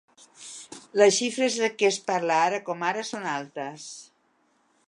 Les xifres de què es parla ara com ara són altes.